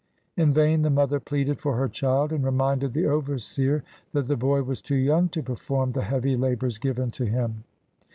In vain the mother pleaded for her child, and reminded the overseer that the boy was too young to perform the heavy labors given to him.